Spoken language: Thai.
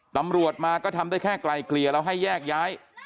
ตำรวจมาก็ทำได้แค่ไกลเกลี่ยแล้วให้แยกย้าย